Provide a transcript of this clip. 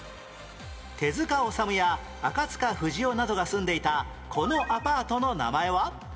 手治虫や赤塚不二夫などが住んでいたこのアパートの名前は？